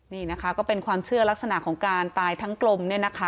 นี่นะคะก็เป็นความเชื่อลักษณะของการตายทั้งกลมเนี่ยนะคะ